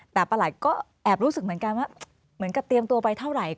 แต่ประหลัดก็แอบรู้สึกเหมือนกันว่าเหมือนกับเตรียมตัวไปเท่าไหร่